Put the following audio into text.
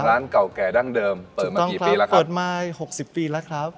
ร้านเก่าแก่ดั้งเดิมเปิดมากี่ปีแล้วครับเปิดมาหกสิบปีแล้วครับ